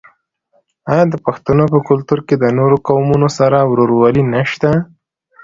آیا د پښتنو په کلتور کې د نورو قومونو سره ورورولي نشته؟